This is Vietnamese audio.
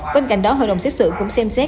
bên cạnh đó hội đồng xét xử cũng xem xét